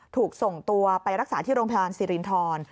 ถูกส่งตัวไปรักษาที่โรงพยาบาลสิรินทร